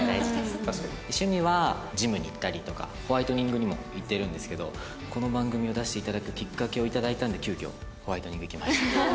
趣味はジムに行ったりとかホワイトニングにも行ってるんですけどこの番組に出していただくきっかけをいただいたんで急遽ホワイトニング行きました。